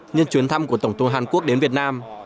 nhân chuyến thăm của tổng tô hàn quốc đến việt nam